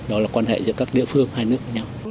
đó là quan hệ giữa các địa phương hai nước